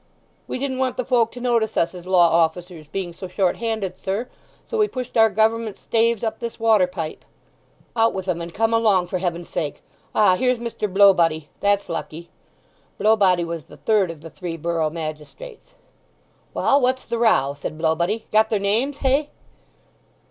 "We didn't want the folk to notice us as law officers, being so short handed, sir; so we pushed our Gover'ment staves up this water pipe." "Out with 'em, and come along, for Heaven's sake! Ah, here's Mr. Blowbody; that's lucky." (Blowbody was the third of the three borough magistrates.) "Well, what's the row?" said Blowbody. "Got their names—hey?"